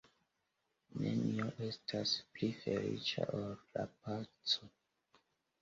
Nenio estas pli feliĉa ol la paco.